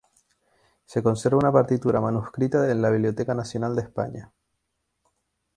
Se conserva una partitura manuscrita en la Biblioteca Nacional de España.